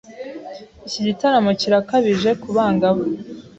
Iki gitaramo kirakabije kubangavu.